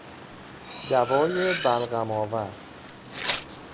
دوای بلغم آور